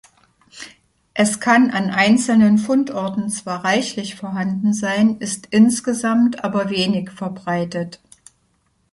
Es kann an einzelnen Fundorten zwar reichlich vorhanden sein, ist insgesamt aber wenig verbreitet.